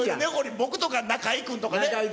僕とか、中居君とかね。